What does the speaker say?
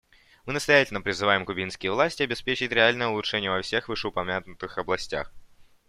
Мы настоятельно призываем кубинские власти обеспечить реальное улучшение во всех вышеупомянутых областях.